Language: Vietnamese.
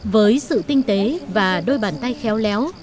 với sự tinh tế và đôi bàn tay khéo léo